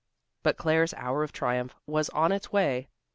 But Claire's hour of triumph was on its way.